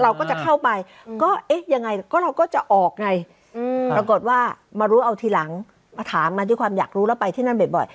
เราก็จะเข้าไปก็เอ๊ะยังไงก็เราก็จะออกไงปรากฏว่ามารู้เอาทีหลังมาถามมาด้วยความอยากรู้แล้วไปที่นั่นบ่อย